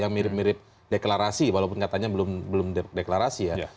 yang mirip mirip deklarasi walaupun katanya belum deklarasi ya